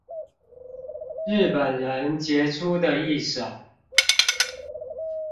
日本人傑出的一手